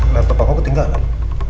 laptop aku ketinggalan